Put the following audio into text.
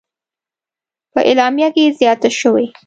په اعلامیه کې زیاته شوې: